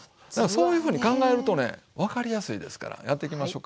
そういうふうに考えるとね分かりやすいですからやっていきましょか。